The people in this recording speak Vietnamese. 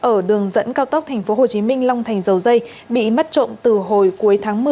ở đường dẫn cao tốc thành phố hồ chí minh long thành dấu dây bị mất trộn từ hồi cuối tháng một mươi